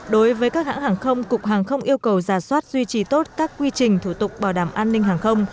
đối với các hãng hàng không cục hàng không yêu cầu giả soát duy trì tốt các quy trình thủ tục bảo đảm an ninh hàng không